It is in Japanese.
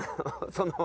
その。